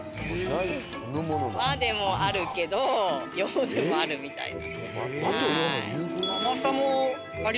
和でもあるけど洋でもあるみたいな。